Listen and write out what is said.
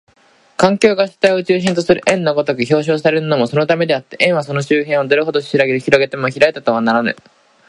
環境が主体を中心とする円の如く表象されるのもそのためであって、円はその周辺をどれほど拡げても開いたものとはならぬ。